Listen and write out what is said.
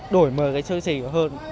đổi mời cái chương trình hơn